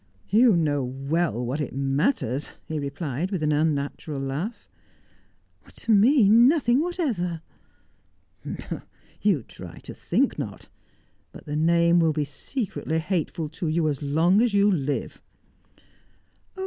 "You know well what it matters," he replied, with an unnatural laugh. "To me nothing whatever." "You try to think not. But the name will be secretly hateful to you as long as you live." "Oh!